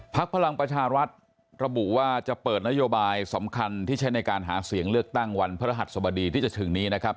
พลังประชารัฐระบุว่าจะเปิดนโยบายสำคัญที่ใช้ในการหาเสียงเลือกตั้งวันพระรหัสสบดีที่จะถึงนี้นะครับ